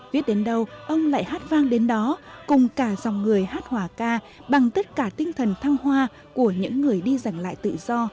viết đến đâu ông lại hát vang đến đó cùng cả dòng người hát hòa ca bằng tất cả tinh thần thăng hoa của những người đi dành lại tự do